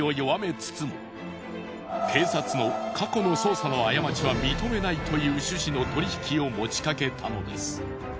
警察の過去の捜査の過ちは認めないという趣旨の取り引きを持ちかけたのです。